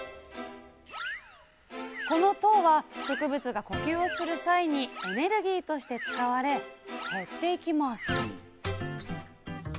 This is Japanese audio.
この糖は植物が呼吸をする際にエネルギーとして使われ減っていきます